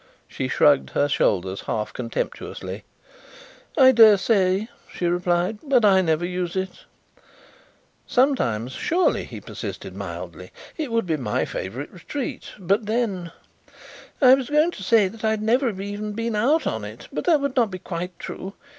She shrugged her shoulders half contemptuously. "I dare say," she replied, "but I never use it." "Sometimes, surely," he persisted mildly. "It would be my favourite retreat. But then " "I was going to say that I had never even been out on it, but that would not be quite true.